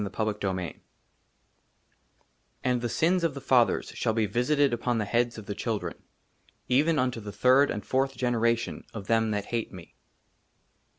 ^Mcme»^amma V XII «* AND THE SINS OF THE FATHERS SHALL BE VISITED UPON THE HEADS OF THE CHIL DREN, EVEN UNTO THE THIRD AND FOURTH GENERATION OF THEM THAT HATE ME."